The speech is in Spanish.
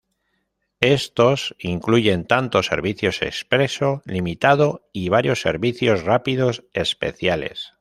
Estos incluyen tanto servicios expreso limitado y varios servicios rápidos especiales.